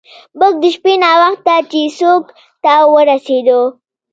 موږ د شپې ناوخته چیسوک ته ورسیدو.